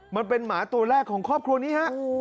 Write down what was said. มันเป็นหมาตัวแรกของครอบครัวนี้ฮะ